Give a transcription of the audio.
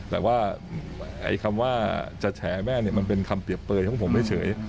แต่ว่าคำว่าจะแฉแม่มันเป็นคำเปรียบเปลยของผมเฉย